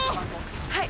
はい。